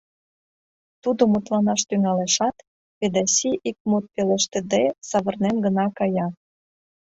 Тудо мутланаш тӱҥалешат, Ведаси ик мут пелештыде савырнен гына кая.